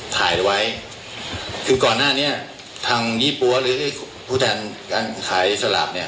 ถ่ายไว้คือก่อนหน้านี้ทางยี่ปั๊วหรือผู้แทนการขายสลากเนี่ย